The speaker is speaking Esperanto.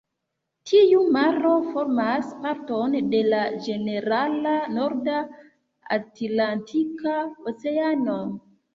Tiu maro formas parton de la ĝenerala norda Atlantika Oceano.